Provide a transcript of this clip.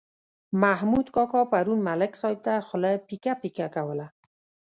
محمود کاکا پرون ملک صاحب ته خوله پیکه پیکه کوله.